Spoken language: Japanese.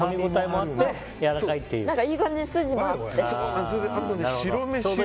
いい感じに筋もあって。